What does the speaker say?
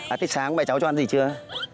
à thế sáng mẹ cháu cho ăn gì chưa